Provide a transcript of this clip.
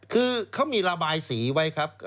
คือเขามีระบายสีไว้ครับ